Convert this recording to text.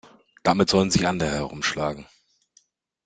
Damit sollen sich andere herumschlagen.